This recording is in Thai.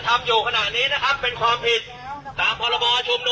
ไม่โทษลงประโดดขออย่าลงประโดด